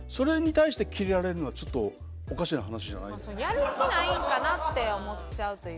やる気ないんかなって思っちゃうというか。